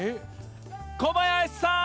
小林さん！